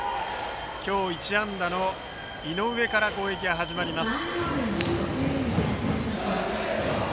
今日１安打の井上から攻撃が始まります。